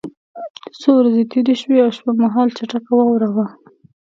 څو ورځې تېرې شوې او شپه مهال چټکه واوره وه